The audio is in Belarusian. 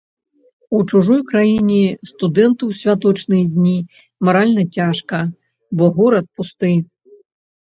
У чужой краіне студэнту ў святочныя дні маральна цяжка, бо горад пусты.